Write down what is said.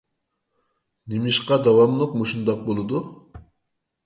نېمىشقا داۋاملىق مۇشۇنداق بولىدۇ؟